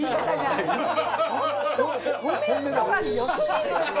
本当、コメントが良すぎるよ！